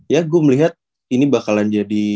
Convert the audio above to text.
ya gue melihat ini bakalan jadi